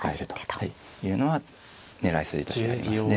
いうのは狙い筋としてありますね。